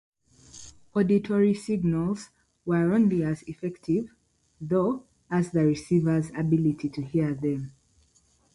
Auditory signals were only as effective, though, as the receiver's ability to hear them.